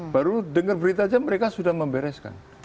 baru dengar berita saja mereka sudah membereskan